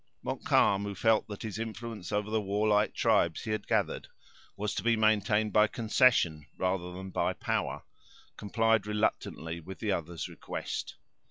Montcalm, who felt that his influence over the warlike tribes he had gathered was to be maintained by concession rather than by power, complied reluctantly with the other's request.